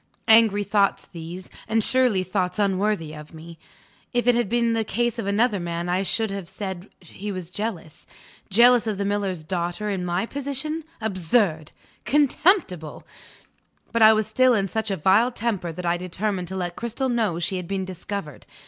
Angry thoughts these and surely thoughts unworthy of me? If it had been the case of another man I should have said he was jealous. Jealous of the miller's daughter in my position? Absurd! contemptible! But I was still in such a vile temper that I determined to let Cristel know she had been discovered.